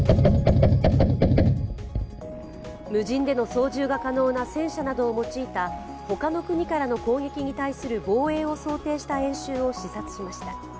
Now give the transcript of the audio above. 無人での操縦が可能などの戦車などを用いた、他の国からの攻撃に対する防衛を想定した演習を視察しました。